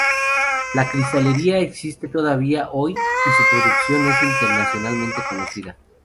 La cristalería existe todavía hoy y su producción es internacionalmente conocida.